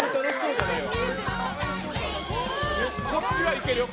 こっちはいけるよ？